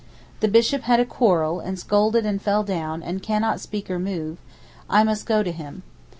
The Bishop had a quarrel, and scolded and fell down, and cannot speak or move; I must go to him.